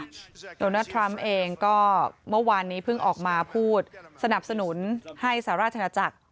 โดนัลดทรัมป์เองก็เมื่อวานนี้เพิ่งออกมาพูดสนับสนุนให้สหราชนาจักร